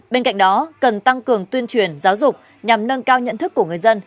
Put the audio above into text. bên cạnh đó cần tăng cường tuyên truyền giáo dục nhằm nâng cao nhận thức của người dân